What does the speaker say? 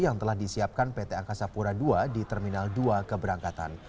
yang telah disiapkan pt angkasa pura ii di terminal dua keberangkatan